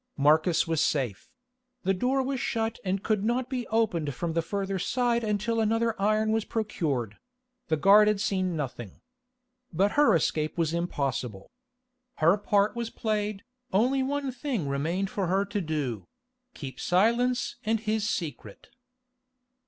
Marcus was safe; the door was shut and could not be opened from the further side until another iron was procured; the guard had seen nothing. But her escape was impossible. Her part was played, only one thing remained for her to do—keep silence and his secret.